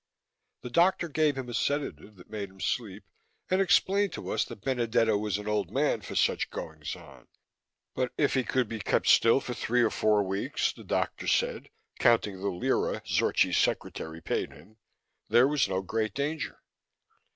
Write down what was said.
The doctor gave him a sedative that made him sleep, and explained to us that Benedetto was an old man for such goings on. But if he could be kept still for three or four weeks, the doctor said, counting the lire Zorchi's secretary paid him, there was no great danger.